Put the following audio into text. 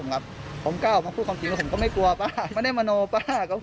แล้วคุณคิดดีนะ